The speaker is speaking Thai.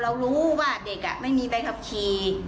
เรารู้ว่าเด็กไม่มีใบขับขี่